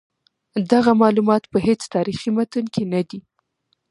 دغه معلومات په هیڅ تاریخي متن کې نه دي.